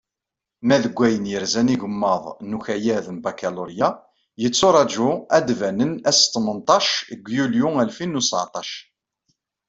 Ma deg wayen yerzan igemmaḍ n ukayad n bakalurya, yetturaǧu ad d-bannen ass tmenṭac deg yulyu alfin u seεṭac.